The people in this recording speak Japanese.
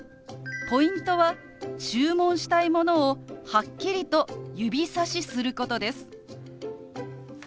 ポイントは注文したいものをはっきりと指さしすることです。